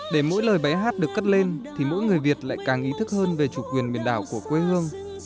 để mỗi lời bài hát được cất lên thì mỗi người việt lại càng ý thức hơn về chủ quyền biển đảo của quê hương